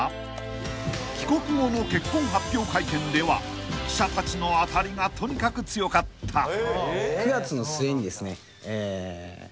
［帰国後の結婚発表会見では記者たちのあたりがとにかく強かった］９月の末にですね。